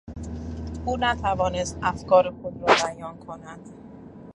او نتوانست افکار خود را بیان کند.